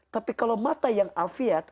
tapi kalau mata yang afiat